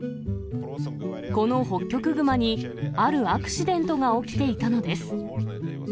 このホッキョクグマにあるアクシデントが起きていたのです。